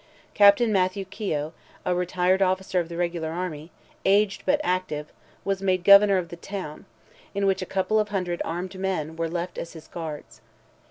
Captain Matthew Keogh, a retired officer of the regular army, aged but active, was made governor of the town, in which a couple of hundred armed men were left as his guards.